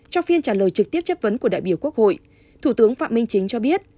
trong phiên trả lời trực tiếp chấp vấn của đại biểu quốc hội